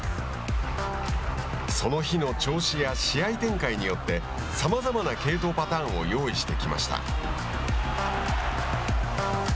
その日の調子や試合展開によってさまざまな継投パターンを用意してきました。